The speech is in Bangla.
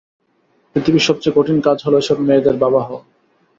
পৃথিবীর সবচেয়ে কঠিন কাজ হল এসব মেয়েদের বাবা হওয়া।